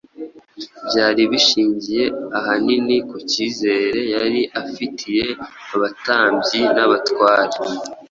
byari bishingiye ahanini ku cyizere yari afitiye abatambyi n’abatware.